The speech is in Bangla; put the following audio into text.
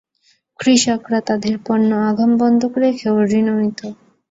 কৃষকরা তাদের পণ্য আগাম বন্ধক রেখেও ঋণ নিত।